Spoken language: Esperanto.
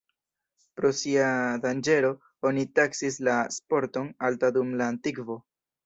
Pro sia danĝero oni taksis la sporton alta dum la antikvo.